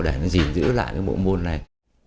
để nó gìn giữ lại cái bộ ngôn này